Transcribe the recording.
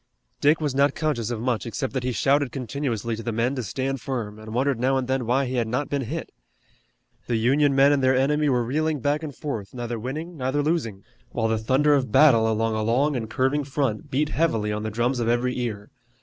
Dick was not conscious of much except that he shouted continuously to the men to stand firm, and wondered now and then why he had not been hit. The Union men and their enemy were reeling back and forth, neither winning, neither losing, while the thunder of battle along a long and curving front beat heavily on the drums of every ear.